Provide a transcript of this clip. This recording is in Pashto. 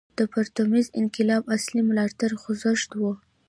د پرتمین انقلاب اصلي ملاتړی خوځښت و.